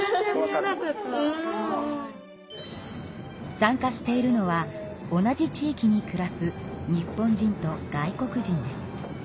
参加しているのは同じ地域に暮らす日本人と外国人です。